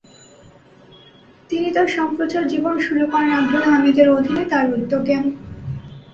তিনি তার সম্প্রচার জীবন শুরু করেন আবদুল হামিদের অধীনে তার উদ্যোগে।